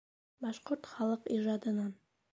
БАШҠОРТ ХАЛЫҠ ИЖАДЫНАН